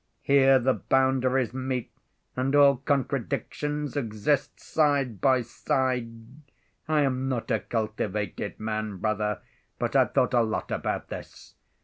Here the boundaries meet and all contradictions exist side by side. I am not a cultivated man, brother, but I've thought a lot about this.